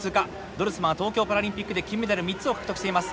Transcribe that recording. ドルスマンは東京パラリンピックで金メダル３つを獲得しています。